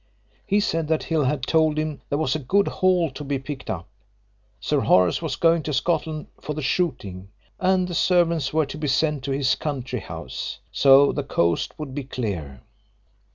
He said that Hill had told him there was a good haul to be picked up. Sir Horace was going to Scotland for the shooting, and the servants were to be sent to his country house, so the coast would be clear.